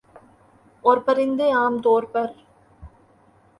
اورپرندے عام طور پر